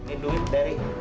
ini duit dari